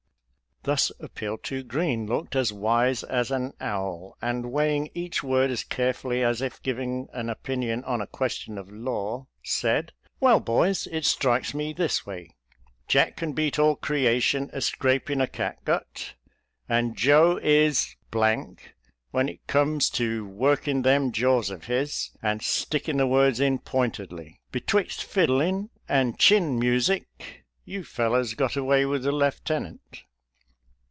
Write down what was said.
Thus appealed to. Green looked as wise as an owl, and weighing each word as carefully as if giving an opinion on a question of law, said, " Well, boys, it strikes me this way : Jack can beat all creation a scrapin' o' catgut, and Joe is when it comes to workin' them jaws of his, and sticking the words in pointedly. Be twixt fiddling and chin music, you fellows got aTvay with the lieutenant."